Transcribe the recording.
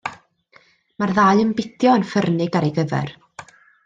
Mae'r ddau yn bidio yn ffyrnig ar ei gyfer.